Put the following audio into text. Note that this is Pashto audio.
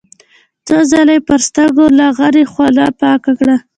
څو ځله يې پر سترګو لاغلې خوله پاکه کړه.